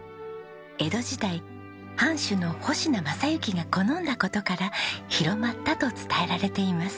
江戸時代藩主の保科正之が好んだ事から広まったと伝えられています。